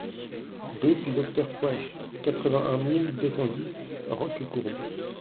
Rue du Docteur Puech, quatre-vingt-un mille deux cent dix Roquecourbe